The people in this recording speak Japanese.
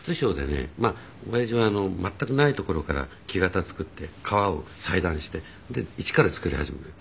まあ親父は全くないところから木型を作って革を裁断してで一から作り始めると。